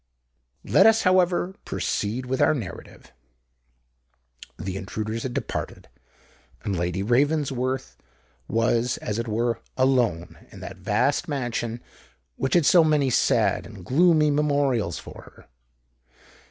Let us, however, proceed with our narrative. The intruders had departed; and Lady Ravensworth was as it were alone in that vast mansion which had so many sad and gloomy memorials for her!